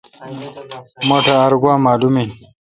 مٹھ ار گوا معلوم این۔